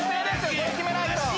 これ決めないと。